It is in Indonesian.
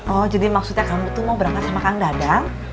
oh jadi maksudnya kamu tuh mau berangkat sama kang dadang